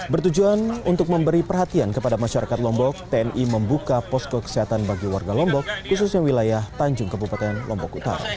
bertujuan untuk memberi perhatian kepada masyarakat lombok tni membuka posko kesehatan bagi warga lombok khususnya wilayah tanjung kebupaten lombok utara